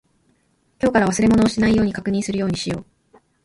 今日から忘れ物をしないように確認するようにしよう。